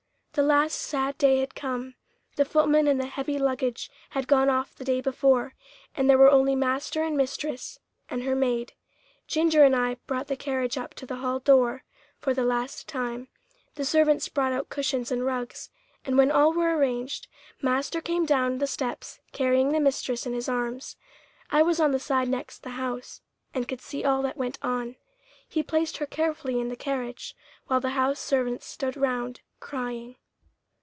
The last sad day had come; the footman and the heavy luggage had gone off the day before, and there were only master and mistress, and her maid. Ginger and I brought the carriage up to the Hall door, for the last time. The servants brought out cushions and rugs, and when all were arranged, master came down the steps carrying the mistress in his arms (I was on the side next the house, and could see all that went on); he placed her carefully in the carriage, while the house servants stood round crying.